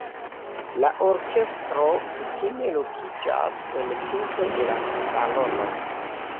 La orkestro kutime lokiĝas en pinto de la salono.